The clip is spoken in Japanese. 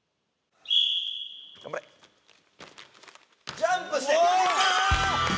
ジャンプして入った！